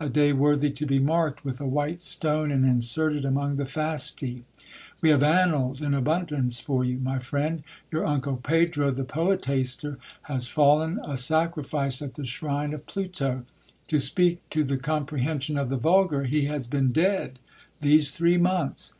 A day worthy to be marked with a while stone and inserted among the Fasti ! We have annals in abundance for you, my friend ; your uncle Pedro, the poetaster, has fallen a sacrifice at the shrine of Pluto : to speak to the comprehension of the vulgar, he has been dead these three months.